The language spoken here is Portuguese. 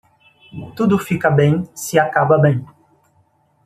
Tudo fica bem se acaba bem.